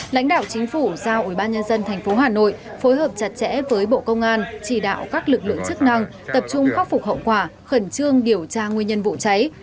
lãnh đạo chính phủ giao ủy ban nhân dân tp hà nội phối hợp chặt chẽ với bộ công an chỉ đạo các lực lượng chức năng tập trung khắc phục hậu quả khẩn trương điều tra nguyên nhân vụ cháy